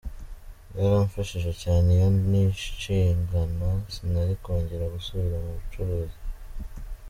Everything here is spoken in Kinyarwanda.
Byaramfashije cyane iyo ntishingana sinari kongera gusubira mu bucuruzi.